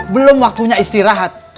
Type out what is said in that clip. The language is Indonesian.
belum waktunya istirahat